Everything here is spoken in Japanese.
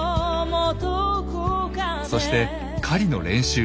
そして狩りの練習。